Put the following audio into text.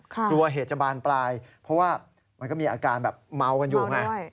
กลัวเหตุญาปรารถ์ปลายเพราะมีอาการเม้ากันอยู่